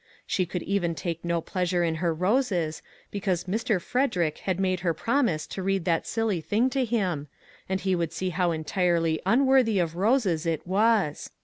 She could even take no pleasure in her roses, because " Mr. Frederick " had made her prom ise to read that silly thing to him, and he would see how entirely unworthy of roses it was.